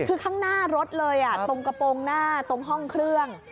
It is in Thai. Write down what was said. คือข้างหน้ารถเลยตรงกระโปรงหน้าตรงห้องเครื่อง